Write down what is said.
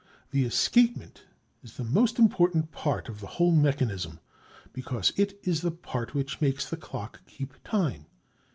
The escapement is the most important part of the whole mechanism, because it is the part which makes the clock keep time.